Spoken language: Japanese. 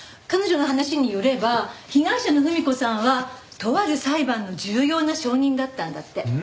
彼女の話によれば被害者の文子さんはとある裁判の重要な証人だったんだって。